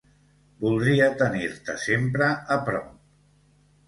Voldria tenir-te sempre a prop.